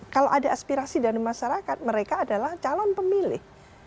kalau ada aspirasi dari masyarakat mereka adalah calon pemilih